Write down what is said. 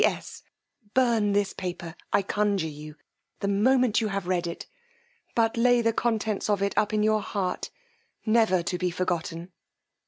"P.S. Burn this paper, I conjure you, the moment you have read it; but lay the contents of it up in your heart never to be forgotten."